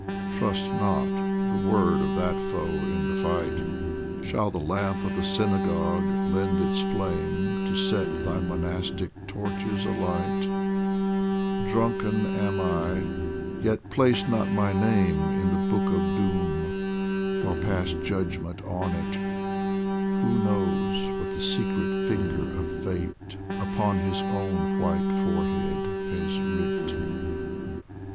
Trust not the word of that foe in the fight ! Shall the lamp of the synagogue lend its flame To set thy monastic torches alight ? Drunken am I, yet place not my name 74 DIVAN OF HAFIZ In the Book of Doom, nor pass judgment on it ; Who knows what the secret finger of Fate Upon his own white forehead has writ